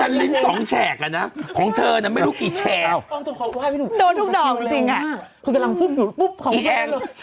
ตัวทุกดอกจริงคือกำลังพุ่งอยู่ปุ๊บของคุณพี่แอลล์